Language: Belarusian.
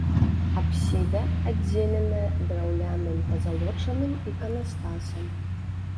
Апсіда аддзеленая драўляным пазалочаным іканастасам.